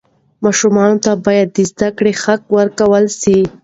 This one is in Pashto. ماشومانو ته باید د زده کړې حق ورکړل سي.